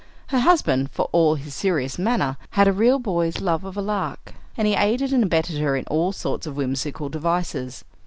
Her husband, for all his serious manner, had a real boy's love of a lark, and he aided and abetted her in all sorts of whimsical devices.